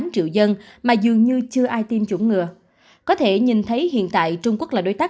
tám triệu dân mà dường như chưa ai tiêm chủng ngừa có thể nhìn thấy hiện tại trung quốc là đối tác